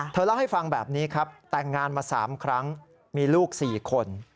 เล่าให้ฟังแบบนี้ครับแต่งงานมา๓ครั้งมีลูก๔คน